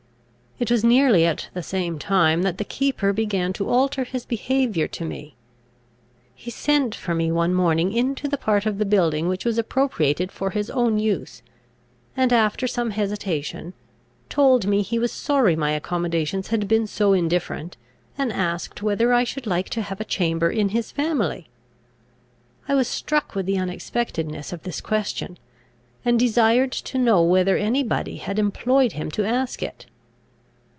It was nearly at the same time, that the keeper began to alter his behaviour to me. He sent for me one morning into the part of the building which was appropriated for his own use, and, after some hesitation, told me he was sorry my accommodations had been so indifferent, and asked whether I should like to have a chamber in his family? I was struck with the unexpectedness of this question, and desired to know whether any body had employed him to ask it.